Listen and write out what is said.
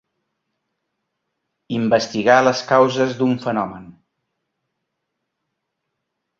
Investigar les causes d'un fenomen.